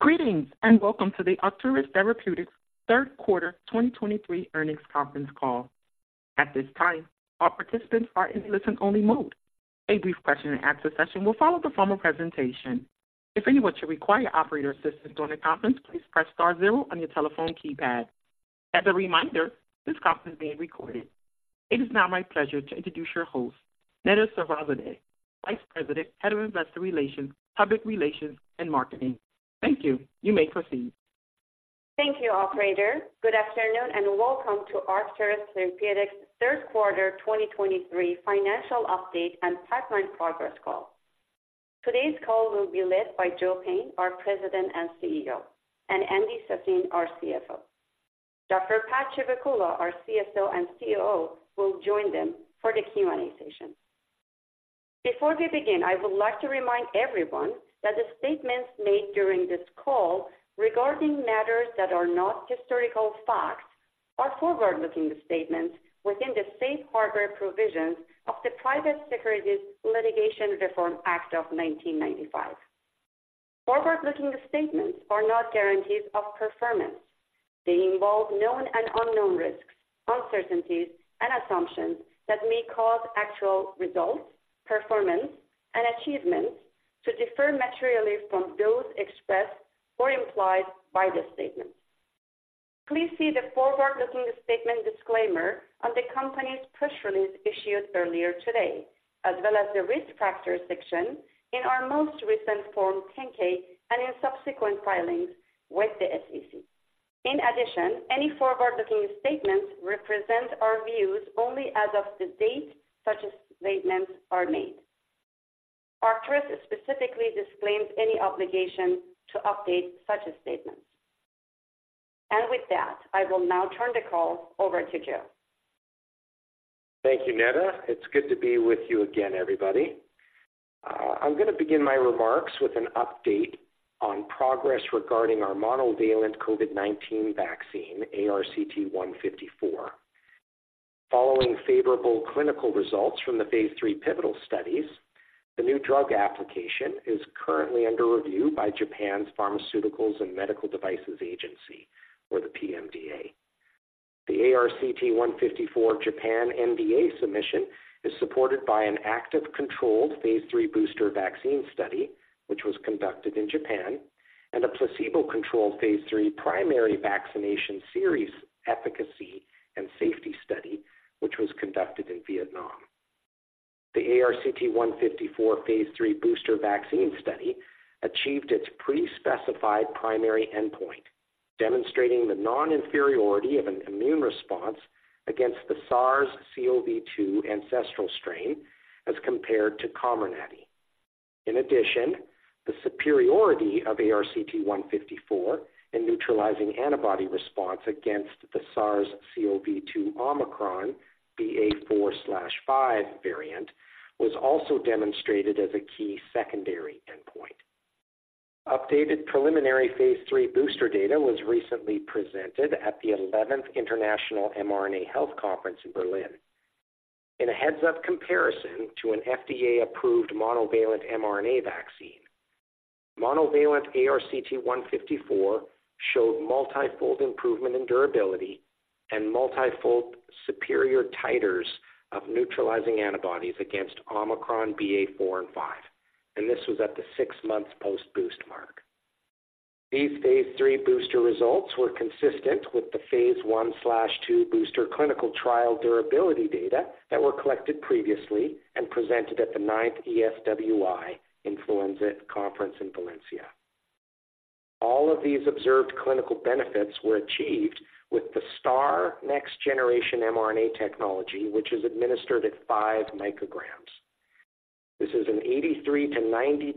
Greetings, and welcome to the Arcturus Therapeutics third quarter 2023 earnings conference call. At this time, all participants are in listen-only mode. A brief question and answer session will follow the formal presentation. If anyone should require operator assistance during the conference, please press star zero on your telephone keypad. As a reminder, this conference is being recorded. It is now my pleasure to introduce your host, Neda Safarzadeh, Vice President, Head of Investor Relations, Public Relations, and Marketing. Thank you. You may proceed. Thank you, operator. Good afternoon, and welcome to Arcturus Therapeutics' third quarter 2023 financial update and pipeline progress call. Today's call will be led by Joe Payne, our President and CEO, and Andy Sassine, our CFO. Dr. Pad Chivukula, our CSO and COO, will join them for the Q&A session. Before we begin, I would like to remind everyone that the statements made during this call regarding matters that are not historical facts are forward-looking statements within the safe harbor provisions of the Private Securities Litigation Reform Act of 1995. Forward-looking statements are not guarantees of performance. They involve known and unknown risks, uncertainties, and assumptions that may cause actual results, performance and achievements to differ materially from those expressed or implied by the statements. Please see the forward-looking statement disclaimer on the company's press release issued earlier today, as well as the Risk Factors section in our most recent Form 10-K and in subsequent filings with the SEC. In addition, any forward-looking statements represent our views only as of the date such statements are made. Arcturus specifically disclaims any obligation to update such a statement. With that, I will now turn the call over to Joe. Thank you, Neda. It's good to be with you again, everybody. I'm going to begin my remarks with an update on progress regarding our monovalent COVID-19 vaccine, ARCT-154. Following favorable clinical results from the phase 3 pivotal studies, the new drug application is currently under review by Japan's Pharmaceuticals and Medical Devices Agency, or the PMDA. The ARCT-154 Japan NDA submission is supported by an active controlled phase 3 booster vaccine study, which was conducted in Japan, and a placebo-controlled phase 3 primary vaccination series efficacy and safety study, which was conducted in Vietnam. The ARCT-154 phase 3 booster vaccine study achieved its prespecified primary endpoint, demonstrating the non-inferiority of an immune response against the SARS-CoV-2 ancestral strain as compared to Comirnaty. In addition, the superiority of ARCT-154 in neutralizing antibody response against the SARS-CoV-2 Omicron BA.4/5 variant was also demonstrated as a key secondary endpoint. Updated preliminary phase 3 booster data was recently presented at the 11th International mRNA Health Conference in Berlin. In a heads-up comparison to an FDA-approved monovalent mRNA vaccine, monovalent ARCT-154 showed multifold improvement in durability and multifold superior titers of neutralizing antibodies against Omicron BA.4/5, and this was at the 6-month post-boost mark. These phase 3 booster results were consistent with the phase 1/2 booster clinical trial durability data that were collected previously and presented at the 9th ESWI Influenza Conference in Valencia. All of these observed clinical benefits were achieved with the STARR® next-generation mRNA technology, which is administered at 5 micrograms. This is an 83%-92%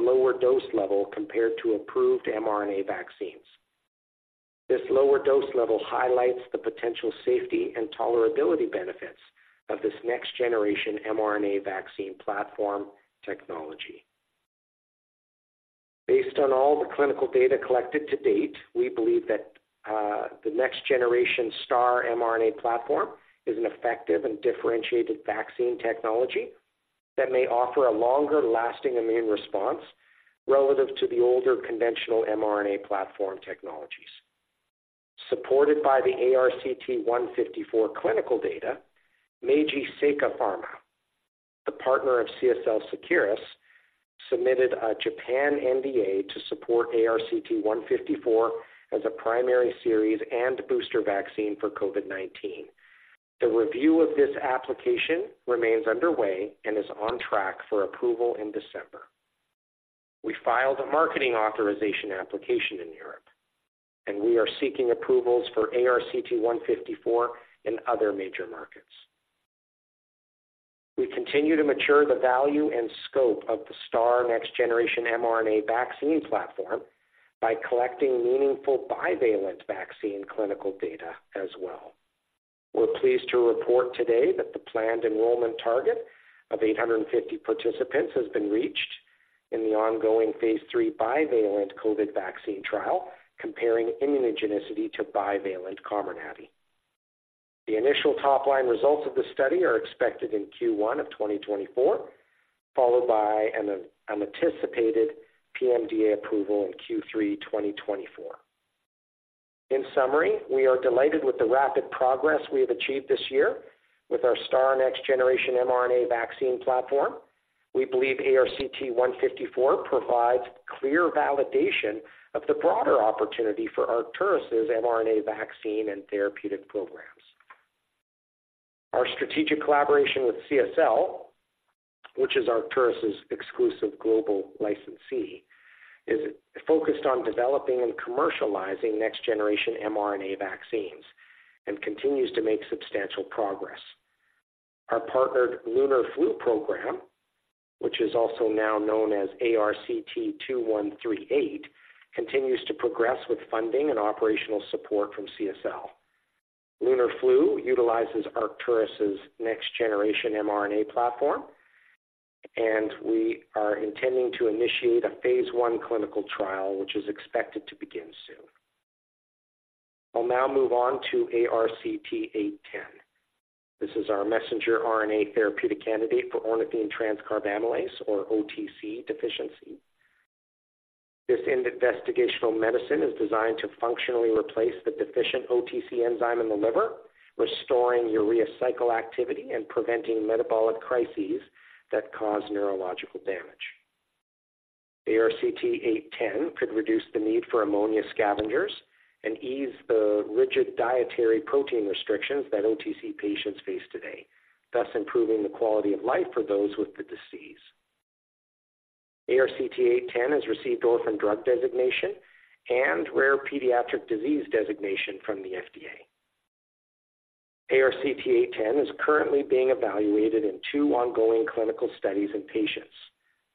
lower dose level compared to approved mRNA vaccines. This lower dose level highlights the potential safety and tolerability benefits of this next-generation mRNA vaccine platform technology. Based on all the clinical data collected to date, we believe that the next-generation STARR® mRNA platform is an effective and differentiated vaccine technology that may offer a longer-lasting immune response relative to the older, conventional mRNA platform technologies. Supported by the ARCT-154 clinical data, Meiji Seika Pharma, the partner of CSL Seqirus, submitted a Japan NDA to support ARCT-154 as a primary series and booster vaccine for COVID-19. The review of this application remains underway and is on track for approval in December. We filed a marketing authorization application in Europe, and we are seeking approvals for ARCT-154 in other major markets. We continue to mature the value and scope of the STARR® next-generation mRNA vaccine platform by collecting meaningful bivalent vaccine clinical data as well. We're pleased to report today that the planned enrollment target of 850 participants has been reached in the ongoing phase three bivalent COVID vaccine trial, comparing immunogenicity to bivalent Comirnaty. The initial top-line results of the study are expected in Q1 of 2024, followed by an anticipated PMDA approval in Q3 2024. In summary, we are delighted with the rapid progress we have achieved this year with our STARR next-generation mRNA vaccine platform. We believe ARCT-154 provides clear validation of the broader opportunity for Arcturus' mRNA vaccine and therapeutic programs. Our strategic collaboration with CSL, which is Arcturus' exclusive global licensee, is focused on developing and commercializing next-generation mRNA vaccines and continues to make substantial progress. Our partnered LUNAR-FLU program, which is also now known as ARCT-2138, continues to progress with funding and operational support from CSL. LUNAR-FLU utilizes Arcturus' next-generation mRNA platform, and we are intending to initiate a phase I clinical trial, which is expected to begin soon. I'll now move on to ARCT-810. This is our messenger RNA therapeutic candidate for Ornithine Transcarbamylase, or OTC deficiency. This investigational medicine is designed to functionally replace the deficient OTC enzyme in the liver, restoring urea cycle activity and preventing metabolic crises that cause neurological damage. ARCT-810 could reduce the need for ammonia scavengers and ease the rigid dietary protein restrictions that OTC patients face today, thus improving the quality of life for those with the disease. ARCT-810 has received Orphan Drug Designation and Rare Pediatric Disease Designation from the FDA. ARCT-810 is currently being evaluated in two ongoing clinical studies in patients: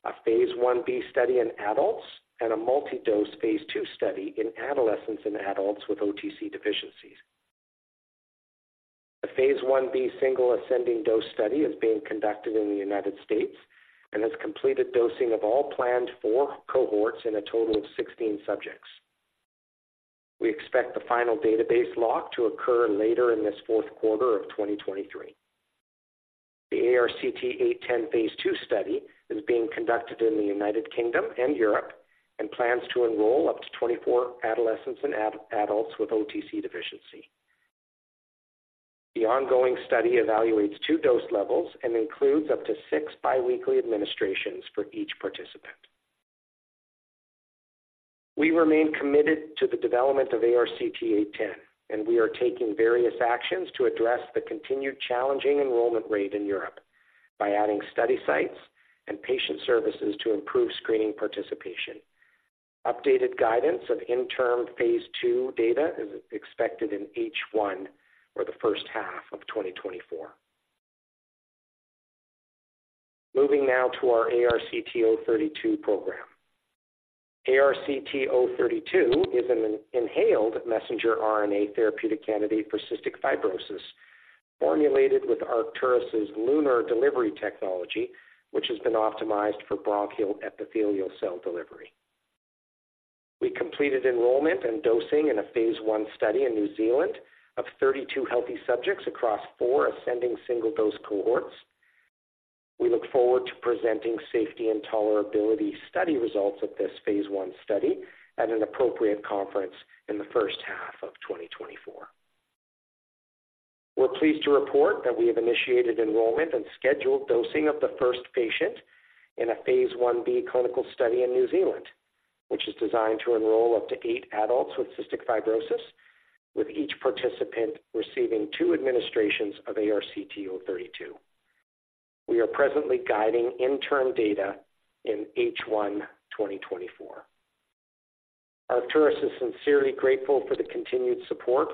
a phase Ib study in adults and a multi-dose phase II study in adolescents and adults with OTC deficiencies. The phase Ib single ascending dose study is being conducted in the United States and has completed dosing of all planned four cohorts in a total of 16 subjects. We expect the final database lock to occur later in this fourth quarter of 2023. The ARCT-810 phase II study is being conducted in the United Kingdom and Europe, and plans to enroll up to 24 adolescents and adults with OTC deficiency. The ongoing study evaluates two dose levels and includes up to six biweekly administrations for each participant. We remain committed to the development of ARCT-810, and we are taking various actions to address the continued challenging enrollment rate in Europe by adding study sites and patient services to improve screening participation. Updated guidance of interim phase II data is expected in H1 or the first half of 2024. Moving now to our ARCT-032 program. ARCT-032 is an inhaled messenger RNA therapeutic candidate for cystic fibrosis, formulated with Arcturus' LUNAR delivery technology, which has been optimized for bronchial epithelial cell delivery. We completed enrollment and dosing in a phase I study in New Zealand of 32 healthy subjects across four ascending single-dose cohorts. We look forward to presenting safety and tolerability study results of this phase I study at an appropriate conference in the first half of 2024. We're pleased to report that we have initiated enrollment and scheduled dosing of the first patient in a phase Ib clinical study in New Zealand, which is designed to enroll up to eight adults with cystic fibrosis, with each participant receiving two administrations of ARCT-032. We are presently guiding interim data in H1 2024. Arcturus is sincerely grateful for the continued support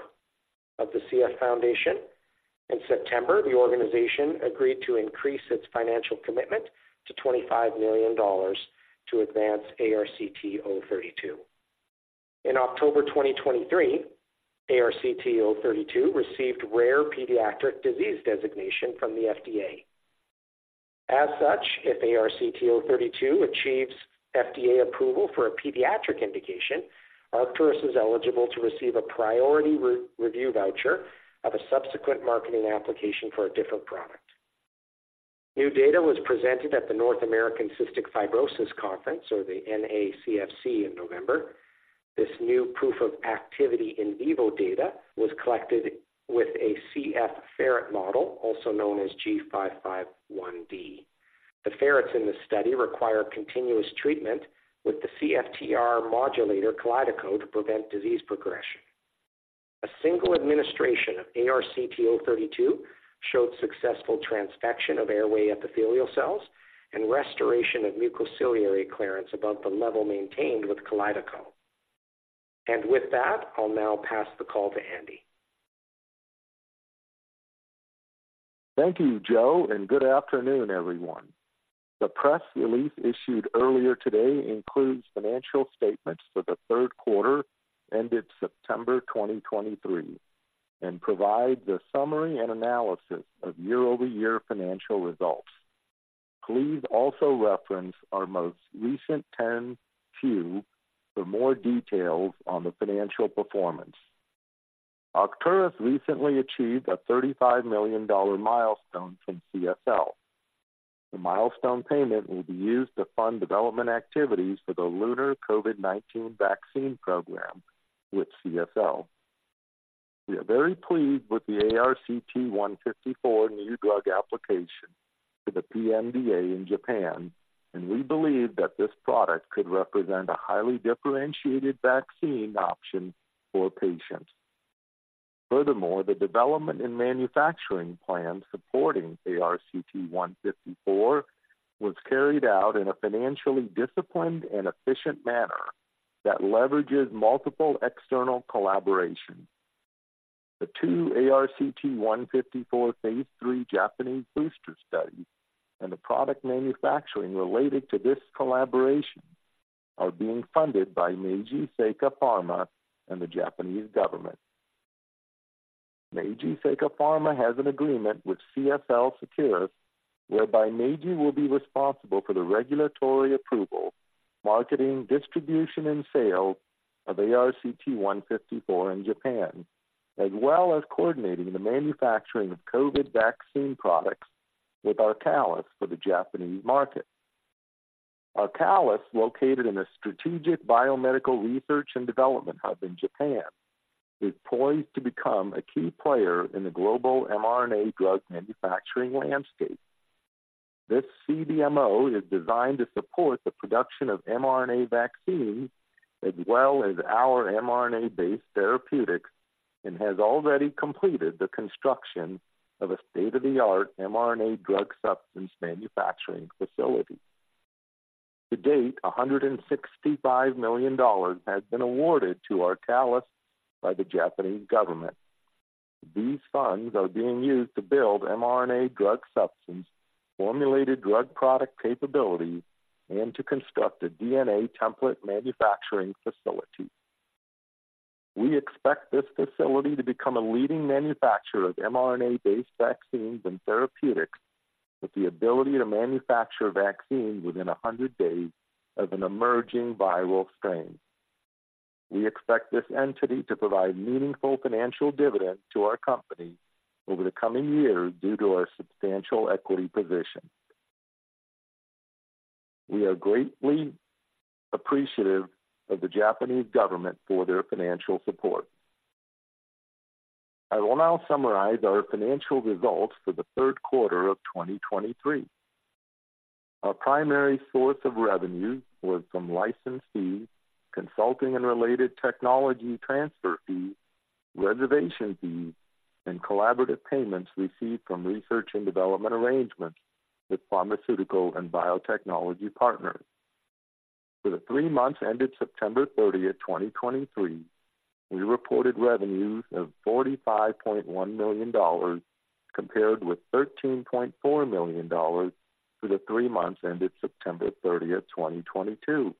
of the CF Foundation. In September, the organization agreed to increase its financial commitment to $25 million to advance ARCT-032. In October 2023, ARCT-032 received Rare Pediatric Disease Designation from the FDA. As such, if ARCT-032 achieves FDA approval for a pediatric indication, Arcturus is eligible to receive a priority review voucher of a subsequent marketing application for a different product. New data was presented at the North American Cystic Fibrosis Conference, or the NACFC, in November. This new proof-of-activity in vivo data was collected with a CF ferret model, also known as G551D. The ferrets in the study require continuous treatment with the CFTR modulator Kalydeco to prevent disease progression. A single administration of ARCT-032 showed successful transfection of airway epithelial cells and restoration of mucociliary clearance above the level maintained with Kalydeco. And with that, I'll now pass the call to Andy. Thank you, Joe, and good afternoon, everyone. The press release issued earlier today includes financial statements for the third quarter ended September 2023 and provides a summary and analysis of year-over-year financial results... Please also reference our most recent 10-Q for more details on the financial performance. Arcturus recently achieved a $35 million milestone from CSL. The milestone payment will be used to fund development activities for the LUNAR COVID-19 vaccine program with CSL. We are very pleased with the ARCT-154 new drug application to the PMDA in Japan, and we believe that this product could represent a highly differentiated vaccine option for patients. Furthermore, the development and manufacturing plan supporting ARCT-154 was carried out in a financially disciplined and efficient manner that leverages multiple external collaborations. The two ARCT-154 Phase 3 Japanese booster studies and the product manufacturing related to this collaboration are being funded by Meiji Seika Pharma and the Japanese government. Meiji Seika Pharma has an agreement with CSL Seqirus, whereby Meiji will be responsible for the regulatory approval, marketing, distribution, and sale of ARCT-154 in Japan, as well as coordinating the manufacturing of COVID vaccine products with Arcalis for the Japanese market. Arcalis, located in a strategic biomedical research and development hub in Japan, is poised to become a key player in the global mRNA drug manufacturing landscape. This CDMO is designed to support the production of mRNA vaccines, as well as our mRNA-based therapeutics, and has already completed the construction of a state-of-the-art mRNA drug substance manufacturing facility. To date, $165 million has been awarded to Arcalis by the Japanese government. These funds are being used to build mRNA drug substance, formulated drug product capabilities, and to construct a DNA template manufacturing facility. We expect this facility to become a leading manufacturer of mRNA-based vaccines and therapeutics, with the ability to manufacture vaccines within 100 days of an emerging viral strain. We expect this entity to provide meaningful financial dividends to our company over the coming years due to our substantial equity position. We are greatly appreciative of the Japanese government for their financial support. I will now summarize our financial results for the third quarter of 2023. Our primary source of revenue was from license fees, consulting and related technology transfer fees, reservation fees, and collaborative payments received from research and development arrangements with pharmaceutical and biotechnology partners. For the three months ended September 30, 2023, we reported revenues of $45.1 million, compared with $13.4 million for the three months ended September 30, 2022.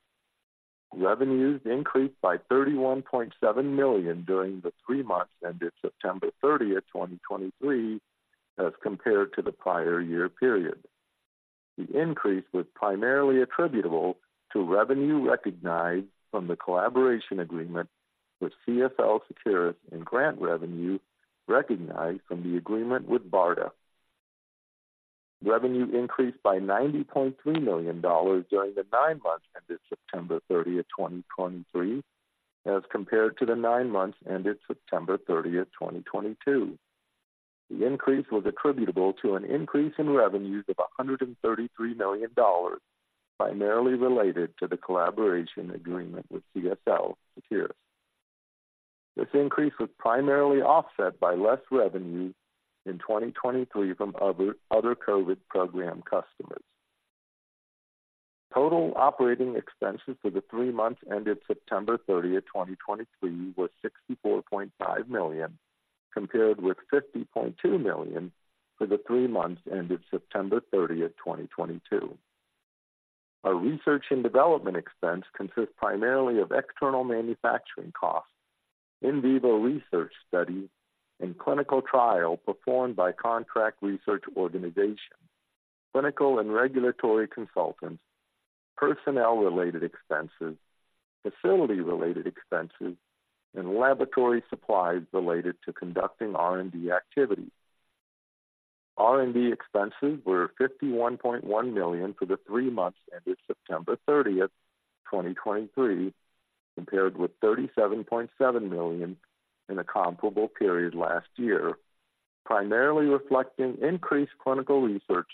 Revenues increased by $31.7 million during the three months ended September 30, 2023, as compared to the prior year period. The increase was primarily attributable to revenue recognized from the collaboration agreement with CSL Seqirus and grant revenue recognized from the agreement with BARDA. Revenue increased by $90.3 million during the nine months ended September 30, 2023, as compared to the nine months ended September 30, 2022. The increase was attributable to an increase in revenues of $133 million, primarily related to the collaboration agreement with CSL Seqirus. This increase was primarily offset by less revenue in 2023 from other COVID program customers. Total operating expenses for the three months ended September 30, 2023, was $64.5 million, compared with $50.2 million for the three months ended September 30, 2022. Our research and development expense consists primarily of external manufacturing costs, in vivo research studies, and clinical trial performed by contract research organizations, clinical and regulatory consultants, personnel-related expenses, facility-related expenses, and laboratory supplies related to conducting R&D activities. R&D expenses were $51.1 million for the three months ended September 30, 2023, compared with $37.7 million in the comparable period last year, primarily reflecting increased clinical research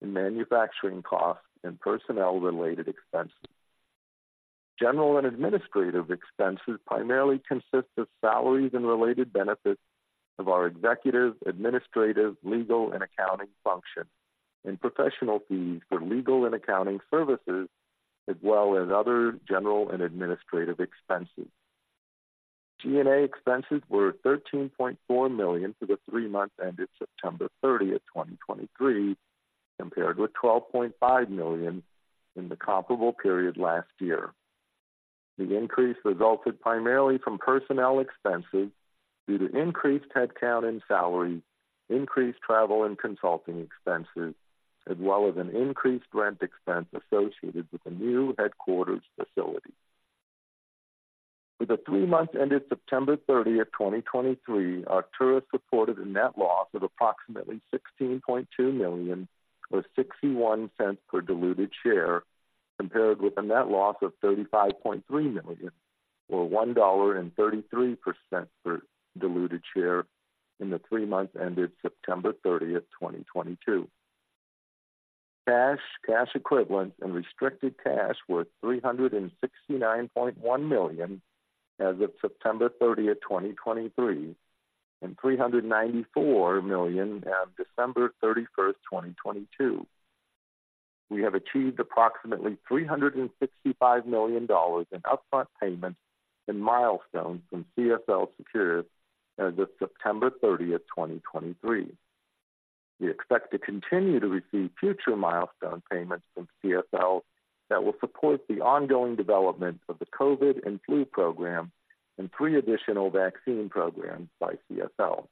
in manufacturing costs and personnel-related expenses. General and administrative expenses primarily consist of salaries and related benefits of our executive, administrative, legal, and accounting functions, and professional fees for legal and accounting services, as well as other general and administrative expenses. G&A expenses were $13.4 million for the three months ended September 30, 2023, compared with $12.5 million in the comparable period last year. The increase resulted primarily from personnel expenses due to increased headcount and salary, increased travel and consulting expenses, as well as an increased rent expense associated with the new headquarters facility. For the three months ended September 30, 2023, Arcturus reported a net loss of approximately $16.2 million, or $0.61 per diluted share, compared with a net loss of $35.3 million, or $1.33 per diluted share in the three months ended September 30, 2022. Cash, cash equivalents, and restricted cash were $369.1 million as of September 30, 2023, and $394 million as of December 31, 2022. We have achieved approximately $365 million in upfront payments and milestones from CSL Seqirus as of September 30, 2023. We expect to continue to receive future milestone payments from CSL Seqirus that will support the ongoing development of the COVID and flu program and three additional vaccine programs by CSL Seqirus.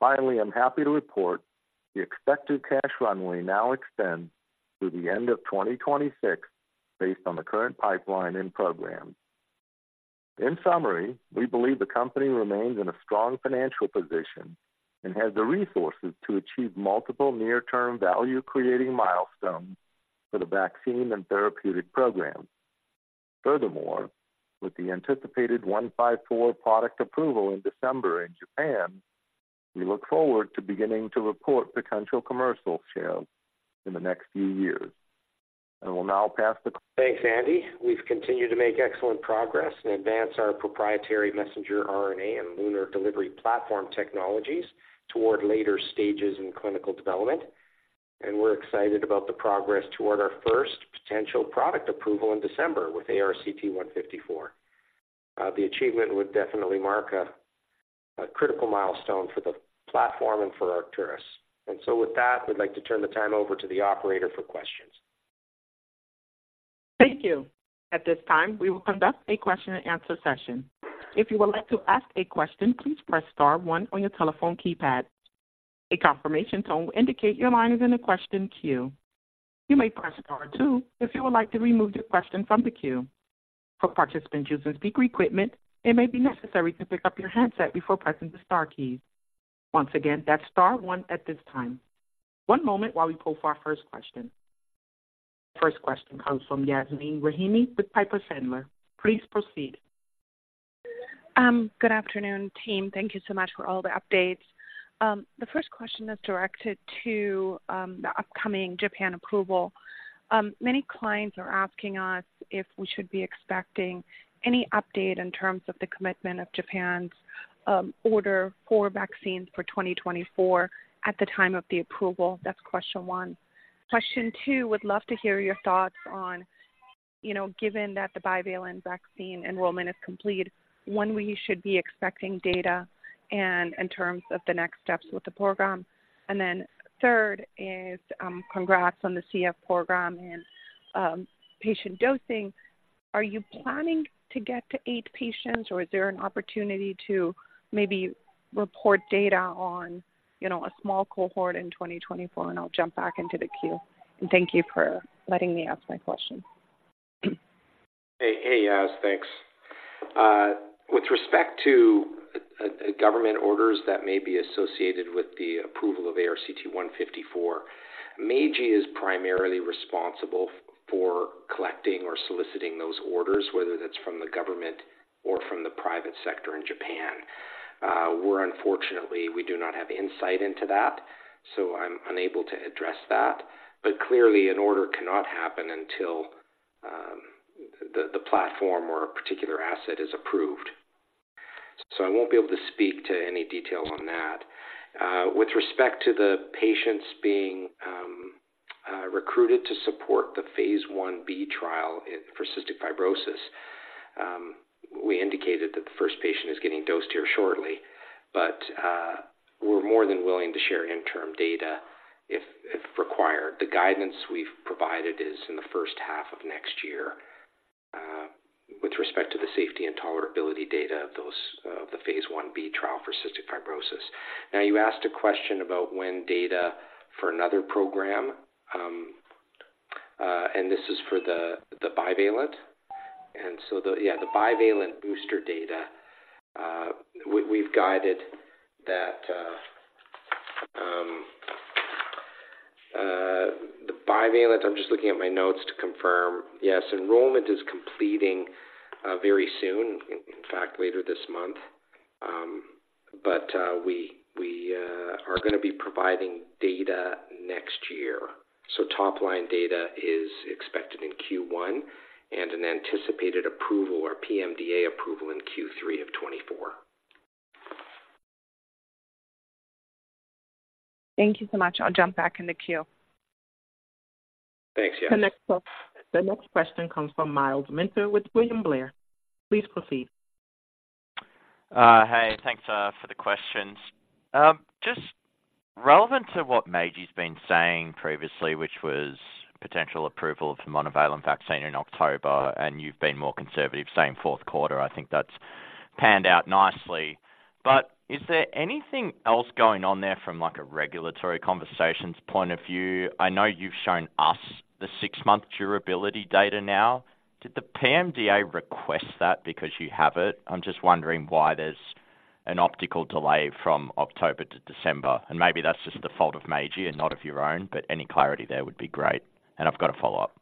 Finally, I'm happy to report the expected cash runway now extends through the end of 2026, based on the current pipeline and programs. In summary, we believe the company remains in a strong financial position and has the resources to achieve multiple near-term value-creating milestones for the vaccine and therapeutic programs. Furthermore, with the anticipated ARCT-154 product approval in December in Japan, we look forward to beginning to report potential commercial sales in the next few years. I will now pass the- Thanks, Andy. We've continued to make excellent progress and advance our proprietary messenger RNA and LUNAR delivery platform technologies toward later stages in clinical development, and we're excited about the progress toward our first potential product approval in December with ARCT-154. The achievement would definitely mark a critical milestone for the platform and for Arcturus. And so with that, we'd like to turn the time over to the operator for questions. Thank you. At this time, we will conduct a question-and-answer session. If you would like to ask a question, please press star one on your telephone keypad. A confirmation tone will indicate your line is in the question queue. You may press star two if you would like to remove your question from the queue. For participants using speaker equipment, it may be necessary to pick up your handset before pressing the star key. Once again, that's star one at this time. One moment while we pull for our first question. First question comes from Yasmin Rahimi with Piper Sandler. Please proceed. Good afternoon, team. Thank you so much for all the updates. The first question is directed to the upcoming Japan approval. Many clients are asking us if we should be expecting any update in terms of the commitment of Japan's order for vaccines for 2024 at the time of the approval. That's question one. Question two, would love to hear your thoughts on, you know, given that the bivalent vaccine enrollment is complete, when we should be expecting data and in terms of the next steps with the program. And then third is, congrats on the CF program and patient dosing. Are you planning to get to 8 patients, or is there an opportunity to maybe report data on, you know, a small cohort in 2024? I'll jump back into the queue, and thank you for letting me ask my questions. Hey, hey, Yas. Thanks. With respect to government orders that may be associated with the approval of ARCT-154, Meiji is primarily responsible for collecting or soliciting those orders, whether that's from the government or from the private sector in Japan. We're unfortunately, we do not have insight into that, so I'm unable to address that. But clearly, an order cannot happen until the platform or a particular asset is approved. So I won't be able to speak to any details on that. With respect to the patients being recruited to support the phase 1b trial for cystic fibrosis, we indicated that the first patient is getting dosed here shortly, but we're more than willing to share interim data if required. The guidance we've provided is in the first half of next year, with respect to the safety and tolerability data of those of the phase 1b trial for cystic fibrosis. Now, you asked a question about when data for another program, and this is for the, the bivalent. And so the, yeah, the bivalent booster data, we've guided that the bivalent. I'm just looking at my notes to confirm. Yes, enrollment is completing very soon, in fact, later this month. But we are gonna be providing data next year. So top-line data is expected in Q1 and an anticipated approval or PMDA approval in Q3 of 2024. Thank you so much. I'll jump back in the queue. Thanks, Yas. The next question comes from Miles Minter with William Blair. Please proceed. Hey, thanks for the questions. Just relevant to what Meiji's been saying previously, which was potential approval of the monovalent vaccine in October, and you've been more conservative, saying fourth quarter. I think that's panned out nicely. But is there anything else going on there from, like, a regulatory conversations point of view? I know you've shown us the six-month durability data now. Did the PMDA request that because you have it? I'm just wondering why there's an optical delay from October to December, and maybe that's just the fault of Meiji and not of your own, but any clarity there would be great. And I've got a follow-up.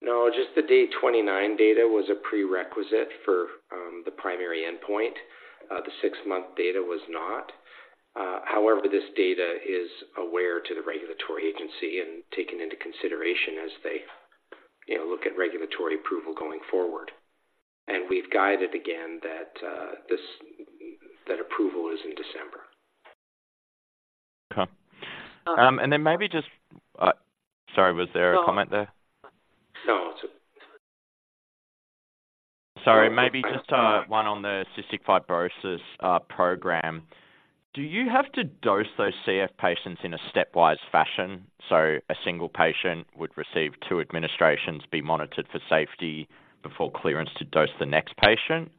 No, just the day 29 data was a prerequisite for the primary endpoint. The six-month data was not. However, this data is available to the regulatory agency and taken into consideration as they, you know, look at regulatory approval going forward. And we've guided again that this, that approval is in December. Okay. And then maybe just. Sorry, was there a comment there? No. Sorry. Maybe just one on the cystic fibrosis program. Do you have to dose those CF patients in a stepwise fashion, so a single patient would receive two administrations, be monitored for safety before clearance to dose the next patient?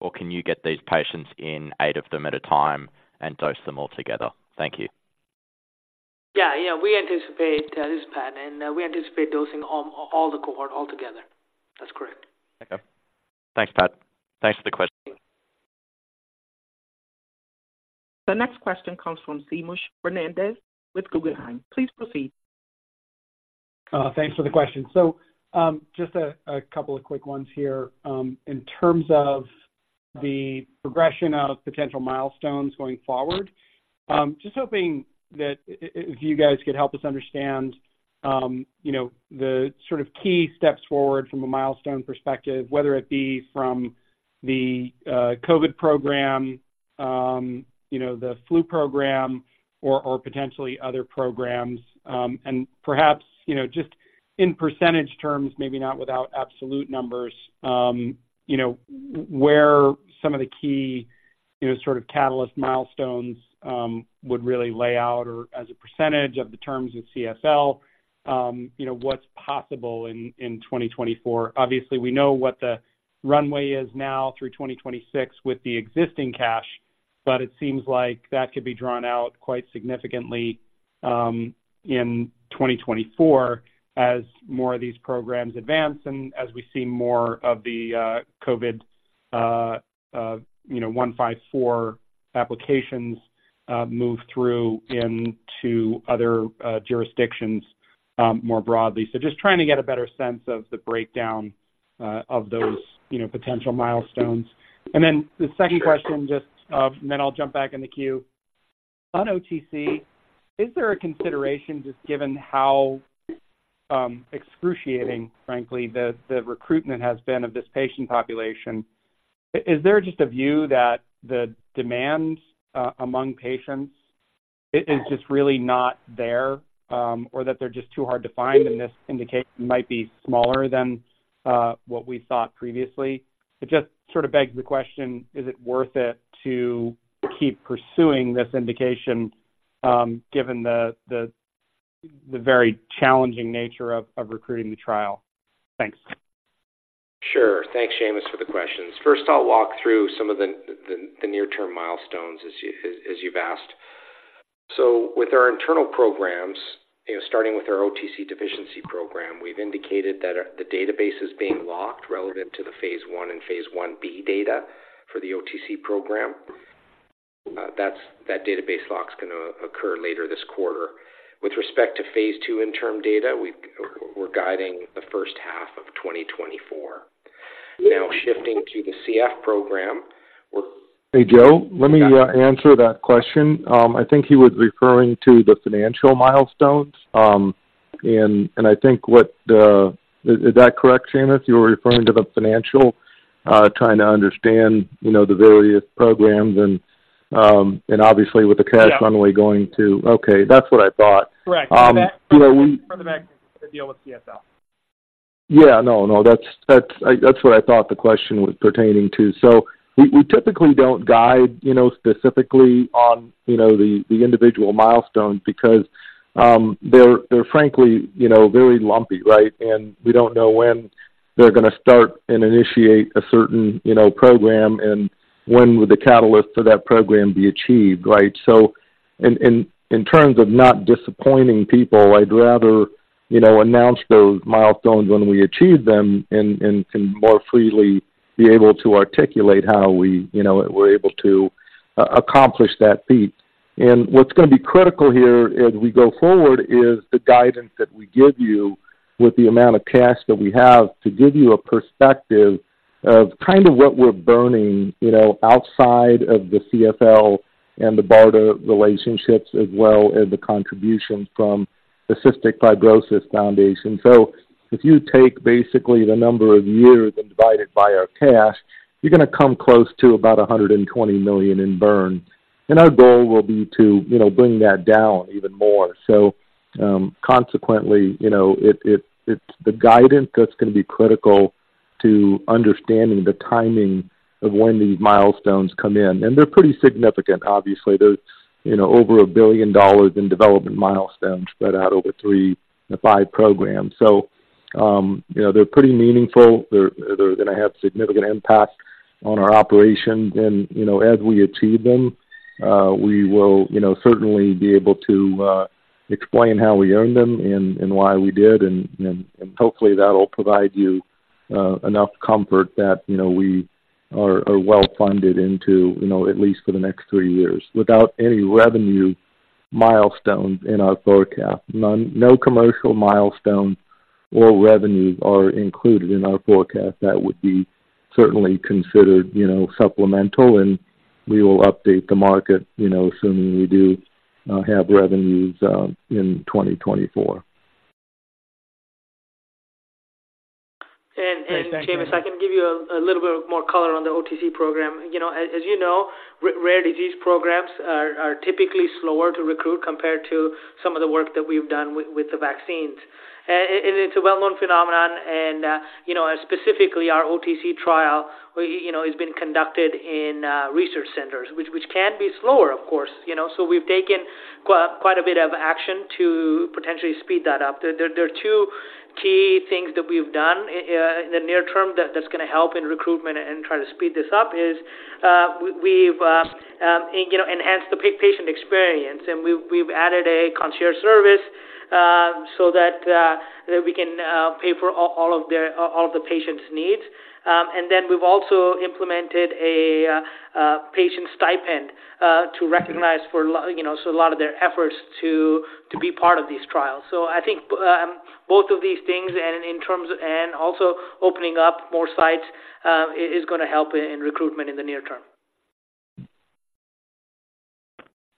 Or can you get these patients in eight of them at a time and dose them all together? Thank you. Yeah. Yeah, we anticipate this plan, and we anticipate dosing all the cohort altogether. That's correct. Okay. Thanks, Pad. Thanks for the question. The next question comes from Seamus Fernandez with Guggenheim. Please proceed. Thanks for the question. So, just a couple of quick ones here. In terms of the progression of potential milestones going forward, just hoping that if you guys could help us understand, you know, the sort of key steps forward from a milestone perspective, whether it be from the COVID program, you know, the flu program or potentially other programs, and perhaps, you know, just in percentage terms, maybe not without absolute numbers, you know, where some of the key, you know, sort of catalyst milestones would really lay out or as a percentage of the terms of CSL, you know, what's possible in 2024. Obviously, we know what the runway is now through 2026 with the existing cash, but it seems like that could be drawn out quite significantly, in 2024 as more of these programs advance and as we see more of the, COVID, you know, 154 applications, move through into other, jurisdictions, more broadly. So just trying to get a better sense of the breakdown, of those, you know, potential milestones. And then the second question, just, and then I'll jump back in the queue. On OTC, is there a consideration, just given how excruciating, frankly, the recruitment has been of this patient population, is there just a view that the demand among patients is just really not there, or that they're just too hard to find, and this indication might be smaller than what we thought previously? It just sort of begs the question, is it worth it to keep pursuing this indication, given the very challenging nature of recruiting the trial? Thanks. Sure. Thanks, Seamus, for the questions. First, I'll walk through some of the near-term milestones, as you've asked. So with our internal programs, you know, starting with our OTC deficiency program, we've indicated that the database is being locked relative to the phase 1 and phase 1b data for the OTC program. That's, that database lock is going to occur later this quarter. With respect to phase 2 interim data, we've – we're guiding the first half of 2024. Now, shifting to the CF program, we're- Hey, Joe, let me answer that question. I think he was referring to the financial milestones. Is that correct, Seamus? You were referring to the financial, trying to understand, you know, the various programs and, and obviously with the cash- Yeah. Okay, that's what I thought. Correct. You know, For the bank to deal with CSL. Yeah, no, no, that's what I thought the question was pertaining to. So we typically don't guide, you know, specifically on, you know, the individual milestones because they're frankly, you know, very lumpy, right? And we don't know when they're going to start and initiate a certain, you know, program and when would the catalyst for that program be achieved, right? So in terms of not disappointing people, I'd rather, you know, announce those milestones when we achieve them and more freely be able to articulate how we, you know, we're able to accomplish that feat. And what's going to be critical here as we go forward is the guidance that we give you with the amount of cash that we have to give you a perspective of kind of what we're burning, you know, outside of the CF and the BARDA relationships, as well as the contribution from the Cystic Fibrosis Foundation. So if you take basically the number of years and divide it by our cash, you're going to come close to about $120 million in burn. And our goal will be to, you know, bring that down even more. So, consequently, you know, it's the guidance that's gonna be critical to understanding the timing of when these milestones come in, and they're pretty significant. Obviously, there's, you know, over $1 billion in development milestones spread out over 3-5 programs. So, you know, they're pretty meaningful. They're gonna have significant impact on our operations. And, you know, as we achieve them, we will, you know, certainly be able to explain how we earned them and hopefully that'll provide you enough comfort that, you know, we are well funded into, you know, at least for the next three years, without any revenue milestones in our forecast. None, no commercial milestones or revenues are included in our forecast. That would be certainly considered, you know, supplemental, and we will update the market, you know, assuming we do have revenues in 2024. Seamus, I can give you a little bit more color on the OTC program. You know, as you know, rare disease programs are typically slower to recruit compared to some of the work that we've done with the vaccines. And it's a well-known phenomenon and, you know, and specifically our OTC trial, you know, has been conducted in research centers, which can be slower, of course, you know. So we've taken quite a bit of action to potentially speed that up. There are two key things that we've done in the near term that that's gonna help in recruitment and try to speed this up: is we've you know enhanced the patient experience, and we've added a concierge service so that that we can pay for all of their all of the patients' needs. And then we've also implemented a patient stipend to recognize for you know so a lot of their efforts to be part of these trials. So I think both of these things and in terms... and also opening up more sites is gonna help in recruitment in the near term.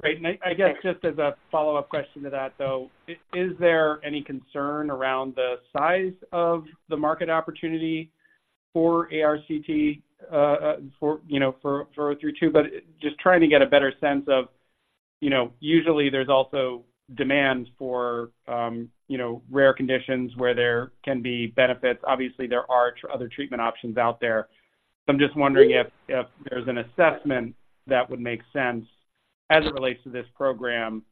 Great. And I guess just as a follow-up question to that, though, is there any concern around the size of the market opportunity for ARCT-032? But just trying to get a better sense of, you know, usually there's also demand for, you know, rare conditions where there can be benefits. Obviously, there are other treatment options out there. So I'm just wondering if there's an assessment that would make sense as it relates to this program,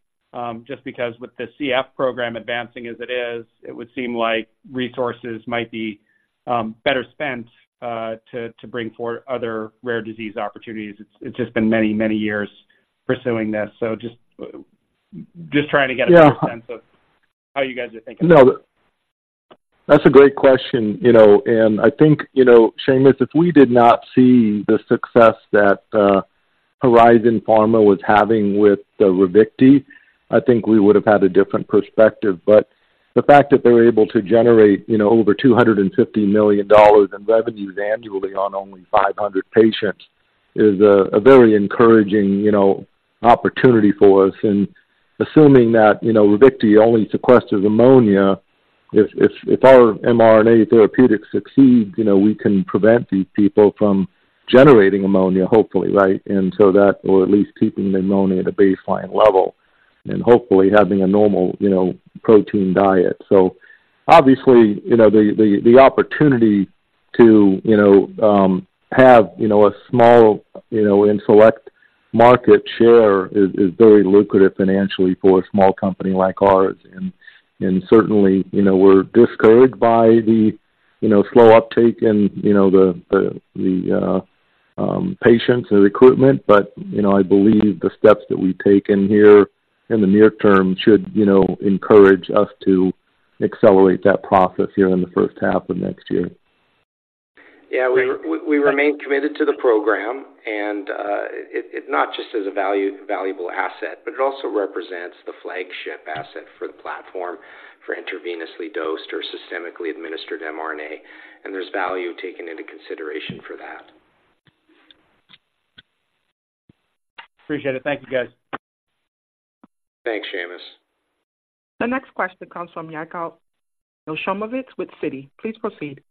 just because with the CF program advancing as it is, it would seem like resources might be better spent to bring forward other rare disease opportunities. It's just been many, many years pursuing this, so just trying to get a better sense of- Yeah. How you guys are thinking. No, that's a great question, you know, and I think, you know, Seamus, if we did not see the success that Horizon Pharma was having with the Ravicti, I think we would have had a different perspective. But the fact that they were able to generate, you know, over $250 million in revenues annually on only 500 patients is a very encouraging, you know, opportunity for us. And assuming that, you know, Ravicti only sequesters ammonia, if our mRNA therapeutics succeed, you know, we can prevent these people from generating ammonia, hopefully, right? And so that or at least keeping the ammonia at a baseline level and hopefully having a normal, you know, protein diet. So obviously, you know, the opportunity to, you know, have, you know, a small, you know, and select market share is very lucrative financially for a small company like ours. And certainly, you know, we're discouraged by the, you know, slow uptake and, you know, the patients and recruitment. But, you know, I believe the steps that we've taken here in the near term should, you know, encourage us to accelerate that process here in the first half of next year. Yeah, we- Great We remain committed to the program, and it's not just a valuable asset, but it also represents the flagship asset for the platform for intravenously dosed or systemically administered mRNA, and there's value taken into consideration for that. Appreciate it. Thank you, guys. Thanks, Seamus. The next question comes from Yigal Nochomovitz with Citi. Please proceed.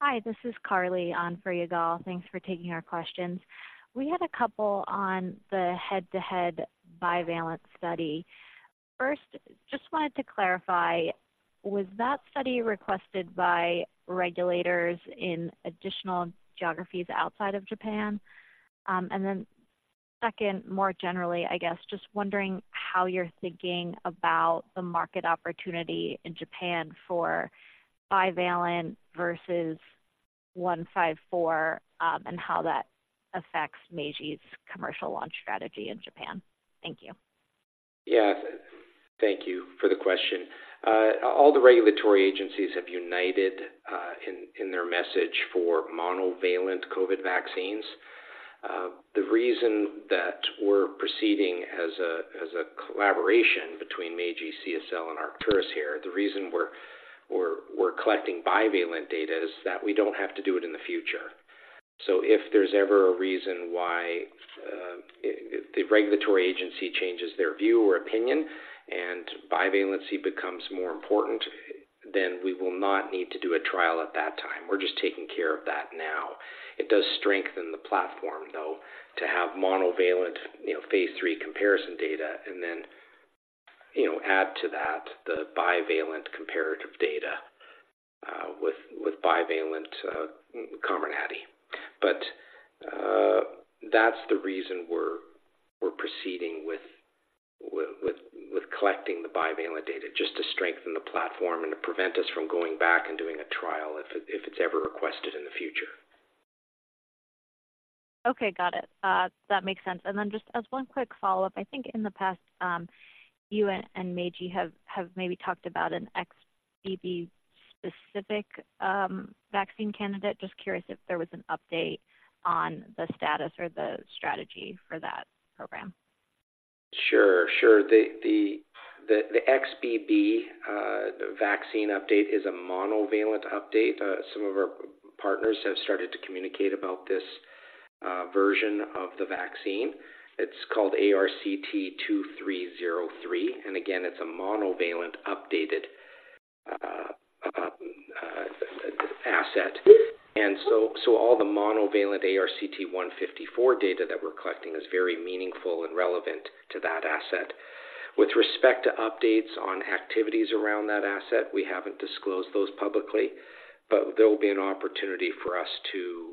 Hi, this is Carly on for Yigal. Thanks for taking our questions. We had a couple on the head-to-head bivalent study. First, just wanted to clarify, was that study requested by regulators in additional geographies outside of Japan? And then second, more generally, I guess, just wondering how you're thinking about the market opportunity in Japan for bivalent versus 154, and how that affects Meiji's commercial launch strategy in Japan. Thank you. Yeah. Thank you for the question. All the regulatory agencies have united in their message for monovalent COVID vaccines. The reason that we're proceeding as a collaboration between Meiji CSL and Arcturus here, the reason we're collecting bivalent data is that we don't have to do it in the future. So if there's ever a reason why the regulatory agency changes their view or opinion and bivalency becomes more important, then we will not need to do a trial at that time. We're just taking care of that now. It does strengthen the platform, though, to have monovalent, you know, phase three comparison data and then, you know, add to that the bivalent comparative data with bivalent Comirnaty. But that's the reason we're proceeding with collecting the bivalent data, just to strengthen the platform and to prevent us from going back and doing a trial if it's ever requested in the future. Okay, got it. That makes sense. And then just as one quick follow-up, I think in the past, you and Meiji have maybe talked about an XBB specific vaccine candidate. Just curious if there was an update on the status or the strategy for that program. Sure, sure. The XBB vaccine update is a monovalent update. Some of our partners have started to communicate about this version of the vaccine. It's called ARCT-2303, and again, it's a monovalent updated asset. So all the monovalent ARCT-154 data that we're collecting is very meaningful and relevant to that asset. With respect to updates on activities around that asset, we haven't disclosed those publicly, but there will be an opportunity for us to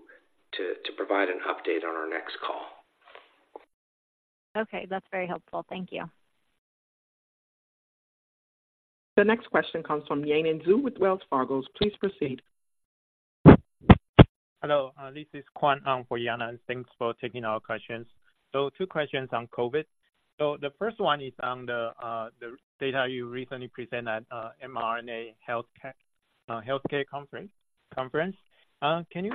provide an update on our next call. Okay, that's very helpful. Thank you. The next question comes from Yanan Zhu with Wells Fargo. Please proceed. Hello, this is Kwan-Hong Ang for Yanan. Thanks for taking our questions. So two questions on COVID. So the first one is on the data you recently presented at mRNA Health Conference. Can you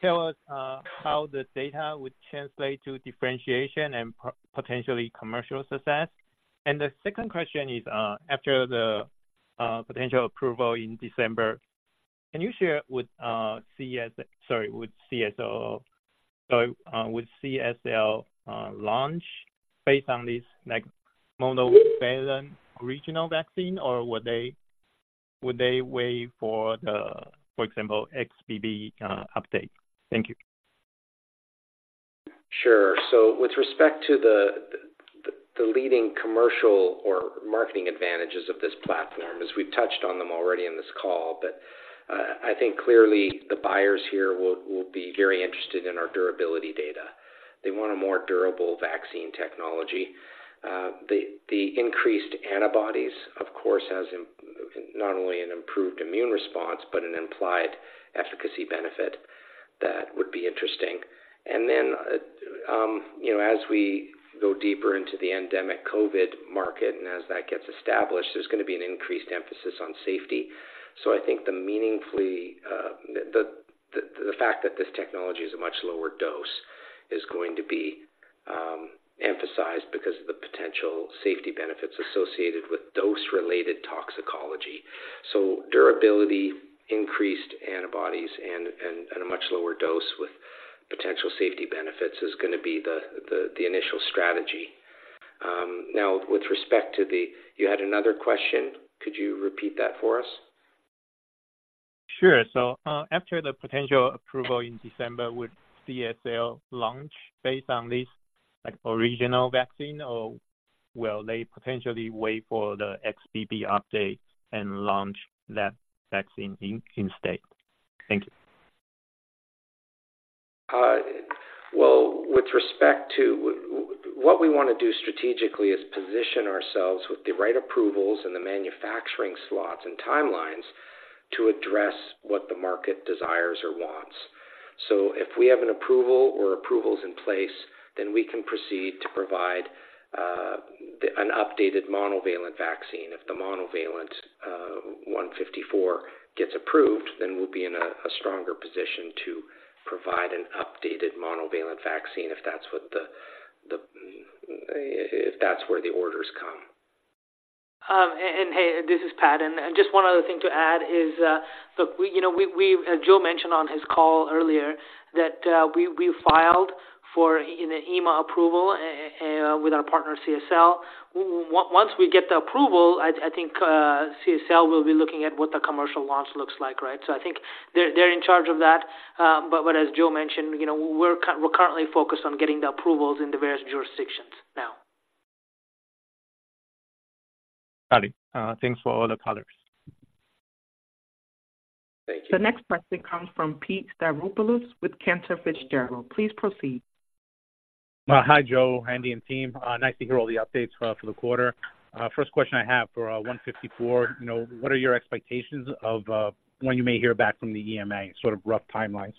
tell us how the data would translate to differentiation and potentially commercial success? And the second question is, after the potential approval in December, can you share with CSL launch based on this, like, monovalent original vaccine, or would they wait for the, for example, XBB update? Thank you. Sure. So with respect to the leading commercial or marketing advantages of this platform, as we've touched on them already in this call, but I think clearly the buyers here will be very interested in our durability data. They want a more durable vaccine technology. The increased antibodies, of course, has not only an improved immune response, but an implied efficacy benefit that would be interesting. And then, you know, as we go deeper into the endemic COVID market, and as that gets established, there's going to be an increased emphasis on safety. So I think, meaningfully, the fact that this technology is a much lower dose is going to be emphasized because of the potential safety benefits associated with dose-related toxicology. So durability, increased antibodies, and a much lower dose with potential safety benefits is going to be the initial strategy. Now, with respect to thew, you had another question, could you repeat that for us? Sure. So, after the potential approval in December, would CSL launch based on this, like, original vaccine, or will they potentially wait for the XBB update and launch that vaccine instead? Thank you. Well, with respect to what we want to do strategically is position ourselves with the right approvals and the manufacturing slots and timelines to address what the market desires or wants. So if we have an approval or approvals in place, then we can proceed to provide an updated monovalent vaccine. If the monovalent 154 gets approved, then we'll be in a stronger position to provide an updated monovalent vaccine, if that's what the if that's where the orders come. Hey, this is Pat, and just one other thing to add is, look, we, you know, Joe mentioned on his call earlier that we filed for an EMA approval with our partner, CSL. Once we get the approval, I think CSL will be looking at what the commercial launch looks like, right? So I think they're in charge of that. But as Joe mentioned, you know, we're currently focused on getting the approvals in the various jurisdictions now. Got it. Thanks for all the colors. Thank you. The next question comes from Pete Stavropoulos with Cantor Fitzgerald. Please proceed. Hi, Joe, Andy, and team. Nice to hear all the updates for the quarter. First question I have for 154, you know, what are your expectations of when you may hear back from the EMA, sort of rough timelines?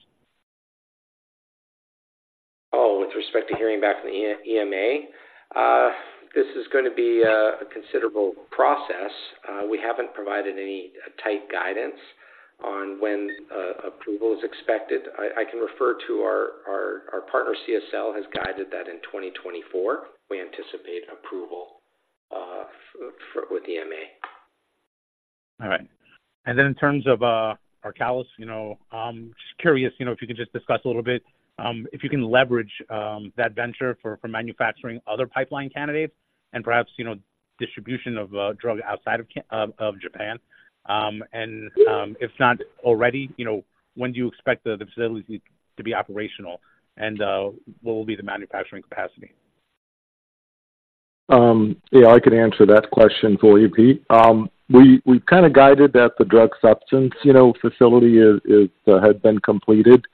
Oh, with respect to hearing back from the EMA, this is going to be a considerable process. We haven't provided any tight guidance on when approval is expected. I can refer to our partner, CSL, has guided that in 2024, we anticipate approval for with EMA. All right. And then in terms of Arcalis, you know, just curious, you know, if you could just discuss a little bit, if you can leverage that venture for, for manufacturing other pipeline candidates and perhaps, you know, distribution of drug outside of Japan. And, if not already, you know, when do you expect the facility to be operational, and what will be the manufacturing capacity? Yeah, I can answer that question for you, Pete. We've kind of guided that the drug substance, you know, facility has been completed.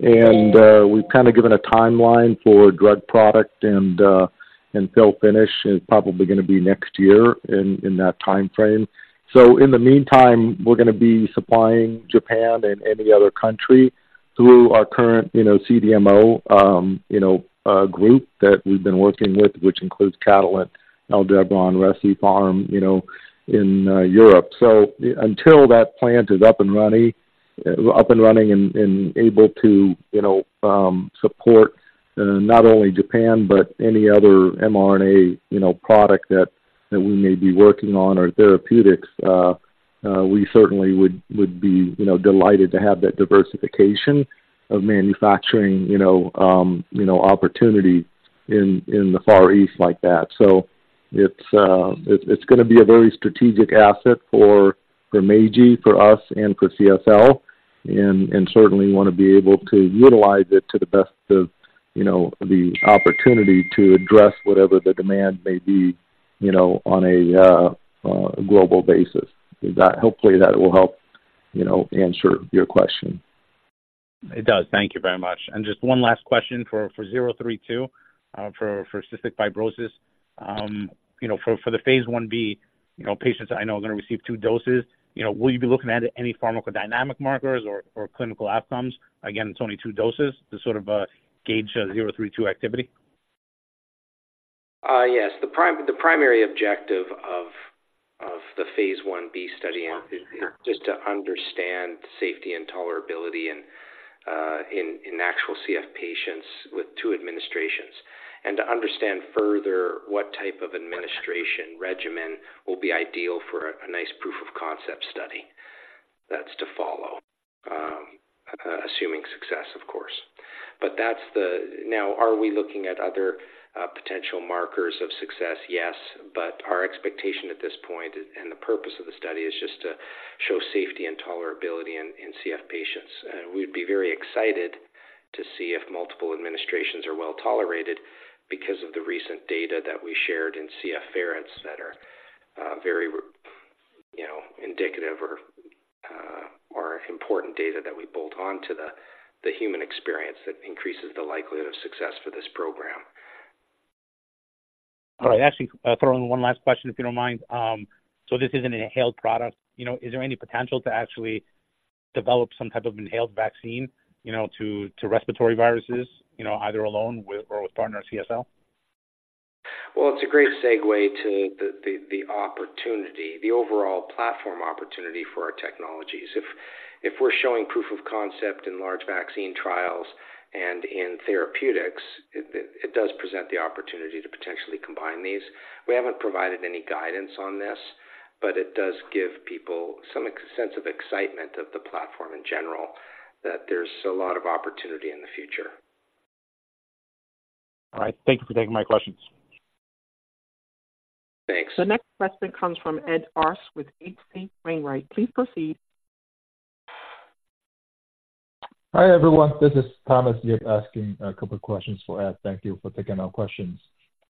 And we've kind of given a timeline for drug product and fill finish is probably gonna be next year in that time frame. So in the meantime, we're gonna be supplying Japan and any other country through our current, you know, CDMO group that we've been working with, which includes Catalent, Aldevron, Recipharm, you know, in Europe. So until that plant is up and running, up and running and, and able to, you know, support, not only Japan, but any other mRNA, you know, product that we may be working on or therapeutics, we certainly would, would be, you know, delighted to have that diversification of manufacturing, you know, you know, opportunity in, in the Far East like that. So it's, it's gonna be a very strategic asset for, for Meiji, for us, and for CSL, and, and certainly want to be able to utilize it to the best of, you know, the opportunity to address whatever the demand may be, you know, on a, global basis. That hopefully, that will help, you know, answer your question. It does. Thank you very much. And just one last question for zero three two, for cystic fibrosis. You know, for the phase 1b, you know, patients I know are gonna receive two doses. You know, will you be looking at any pharmacodynamic markers or clinical outcomes? Again, it's only two doses to sort of gauge zero three two activity. Yes. The primary objective of the phase 1b study and- Sure. Just to understand safety and tolerability and in actual CF patients with two administrations. And to understand further what type of administration regimen will be ideal for a nice proof of concept study. That's to follow, assuming success, of course. But that's the... Now, are we looking at other potential markers of success? Yes, but our expectation at this point and the purpose of the study is just to show safety and tolerability in CF patients. We'd be very excited to see if multiple administrations are well tolerated because of the recent data that we shared in CF ferrets that are very, you know, indicative or important data that we bolt on to the human experience that increases the likelihood of success for this program. All right. Actually, throw in one last question, if you don't mind. So this is an inhaled product. You know, is there any potential to actually develop some type of inhaled vaccine, you know, to respiratory viruses, you know, either alone with or with partner CSL? Well, it's a great segue to the opportunity, the overall platform opportunity for our technologies. If we're showing proof of concept in large vaccine trials and in therapeutics, it does present the opportunity to potentially combine these. We haven't provided any guidance on this, but it does give people some sense of excitement of the platform in general, that there's a lot of opportunity in the future. All right. Thank you for taking my questions. Thanks. The next question comes from Ed Arce with H.C. Wainwright. Please proceed. Hi, everyone. This is Thomas Yip asking a couple of questions for Ed. Thank you for taking our questions.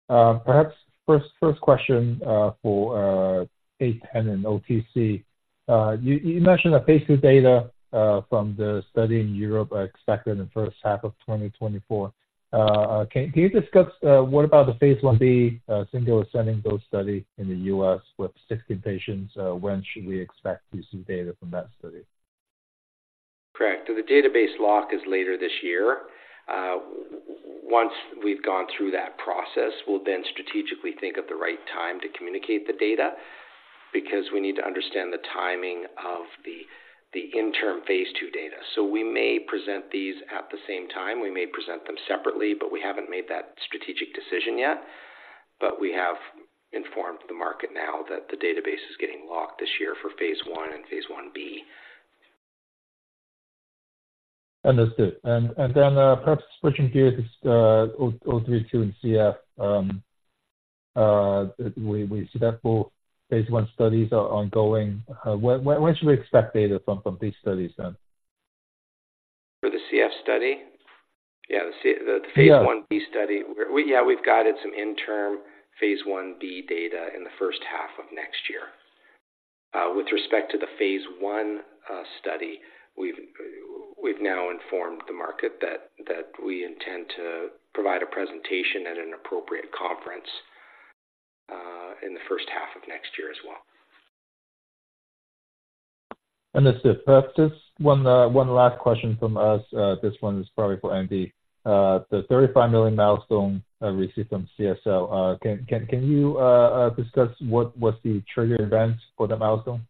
Perhaps first question for ARCT-810 and OTC. You mentioned that phase 2 data from the study in Europe are expected in the first half of 2024. Can you discuss what about the phase 1b single ascending dose study in the U.S. with 60 patients? When should we expect to see data from that study? Correct. So the database lock is later this year. Once we've gone through that process, we'll then strategically think of the right time to communicate the data, because we need to understand the timing of the interim phase 2 data. So we may present these at the same time. We may present them separately, but we haven't made that strategic decision yet. But we have informed the market now that the database is getting locked this year for phase 1 and phase 1b. Understood. And then, perhaps switching gears, ARCT-032 and CF. We see that both phase 1 studies are ongoing. When should we expect data from these studies then? For the CF study? Yeah, Yeah. The phase 1b study, yeah, we've guided some interim phase 1b data in the first half of next year. With respect to the phase 1 study, we've now informed the market that we intend to provide a presentation at an appropriate conference in the first half of next year as well. Understood. Perhaps just one last question from us. This one is probably for Andy. The $35 million milestone received from CSL. Can you discuss what was the trigger event for that milestone?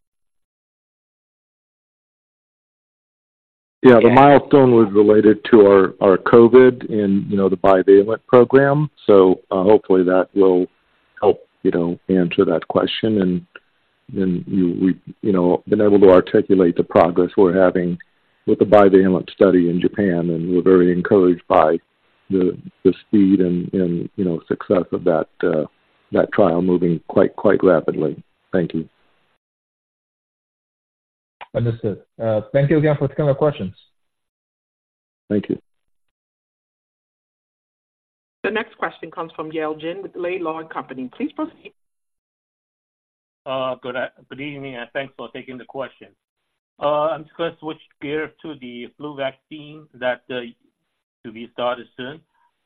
Yeah, the milestone was related to our COVID and, you know, the bivalent program. So, hopefully that will help, you know, answer that question. And then we've, you know, been able to articulate the progress we're having with the bivalent study in Japan, and we're very encouraged by the speed and, you know, success of that trial moving quite rapidly. Thank you. Understood. Thank you again for taking our questions. Thank you. The next question comes from Yale Jen with Laidlaw & Company. Please proceed. Good evening, and thanks for taking the question. I'm just going to switch gear to the flu vaccine that to be started soon.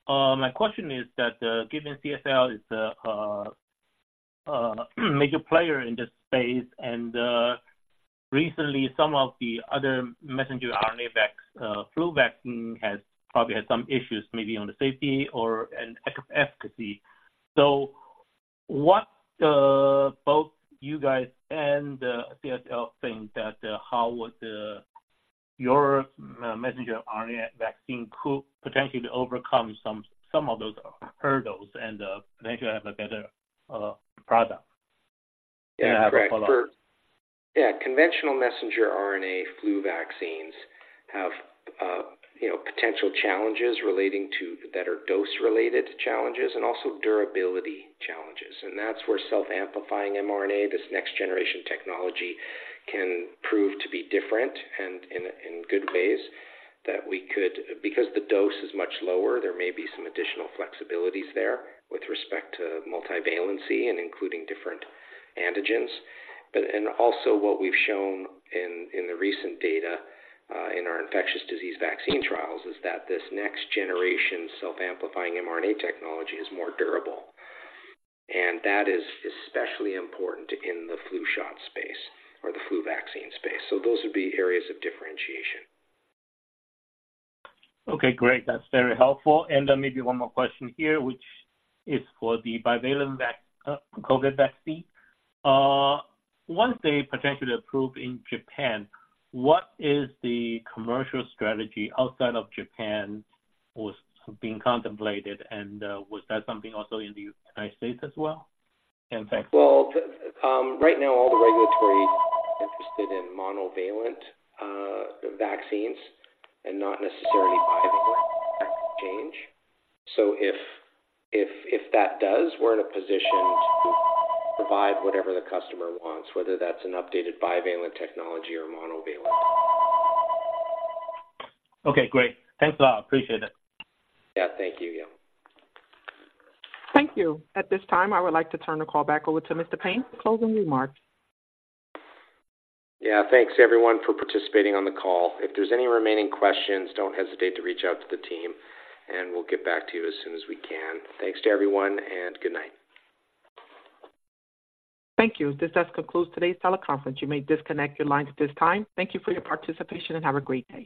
My question is that given CSL is a major player in this space, and recently some of the other messenger RNA flu vaccine has probably had some issues, maybe on the safety or and efficacy. So what both you guys and CSL think that how would your messenger RNA vaccine could potentially overcome some of those hurdles and potentially have a better product? And I have a follow-up. Yeah, conventional messenger RNA flu vaccines have, you know, potential challenges relating to better dose-related challenges and also durability challenges. And that's where self-amplifying mRNA, this next-generation technology, can prove to be different and in, in good ways, that we could - because the dose is much lower, there may be some additional flexibilities there with respect to multivalency and including different antigens. But. And also, what we've shown in, in the recent data, in our infectious disease vaccine trials is that this next-generation self-amplifying mRNA technology is more durable, and that is especially important in the flu shot space or the flu vaccine space. So those would be areas of differentiation. Okay, great. That's very helpful. And then maybe one more question here, which is for the bivalent COVID vaccine. Once they potentially approve in Japan, what is the commercial strategy outside of Japan was being contemplated, and was that something also in the United States as well? And thanks. Well, right now, all the regulatory interested in monovalent vaccines and not necessarily bivalent change. So if that does, we're in a position to provide whatever the customer wants, whether that's an updated bivalent technology or monovalent. Okay, great. Thanks a lot. Appreciate it. Yeah, thank you, Yale. Thank you. At this time, I would like to turn the call back over to Mr. Payne for closing remarks. Yeah, thanks, everyone, for participating on the call. If there's any remaining questions, don't hesitate to reach out to the team, and we'll get back to you as soon as we can. Thanks to everyone, and good night. Thank you. This does conclude today's teleconference. You may disconnect your lines at this time. Thank you for your participation, and have a great day.